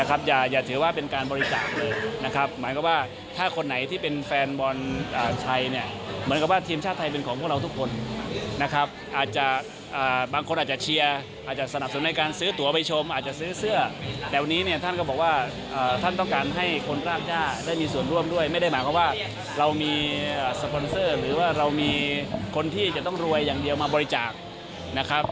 เรามีสปอนเซอร์หรือว่าเรามีคนที่จะต้องรวยอย่างเดียวมาบริจาคนะครับ